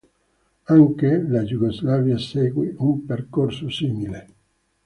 Anche la Jugoslavia seguì un percorso simile.